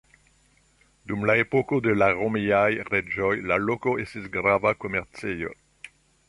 Dum la epoko de la romiaj reĝoj la loko estis grava komercejo.